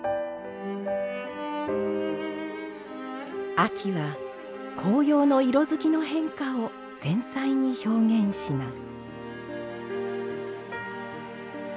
秋は紅葉の色づきの変化を繊細に表現します。